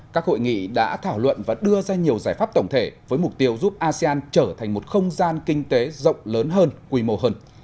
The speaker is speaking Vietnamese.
các hội nghị đã thảo luận và đưa ra nhiều giải pháp tổng thể với mục tiêu giúp asean trở thành một không gian kinh tế rộng lớn hơn quy mô hơn